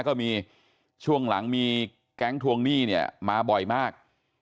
ก็มีช่วงหลังมีแก๊งทวงหนี้เนี่ยมาบ่อยมาก